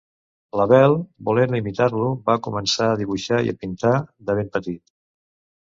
L'Abel, volent imitar-lo, va començar a dibuixar i a pintar de ben petit.